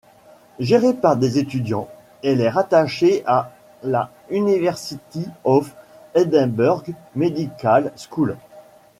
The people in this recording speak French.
Gérée par des étudiants, elle est rattachée à la University of Edinburgh Medical School.